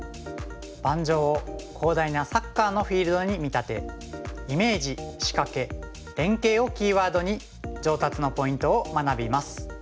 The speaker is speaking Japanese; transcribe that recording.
盤上を広大なサッカーのフィールドに見立て「イメージ」「仕掛け」「連携」をキーワードに上達のポイントを学びます。